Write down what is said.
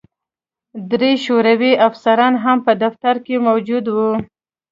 درې شوروي افسران هم په دفتر کې موجود وو